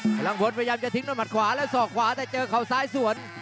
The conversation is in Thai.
พลังพลพยายามจะทิ้งด้วยหมัดขวาแล้วสอกขวาแต่เจอเขาซ้ายสวน